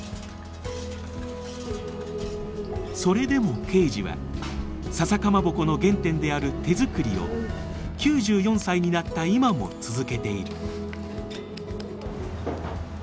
それでも圭司はささかまぼこの原点である手作りを９４歳になった今も続けている。